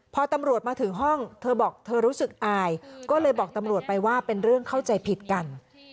พอตำรวจมาถึงห้องเธอบอกเธอรู้สึกอายก็เลยบอกตำรวจไปว่าเป็นเรื่องเข้าใจผิดกัน